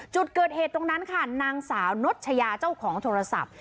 จุดเกิดเหตุตรงนั้นค่ะนางสาวนชยาเจ้าของโทรศัพท์